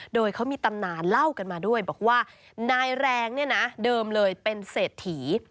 โดยเขามีตำนานเล่ากันมาด้วยบอกว่านายแรงเนี่ยนะเดิมเลยเป็นเศรษฐี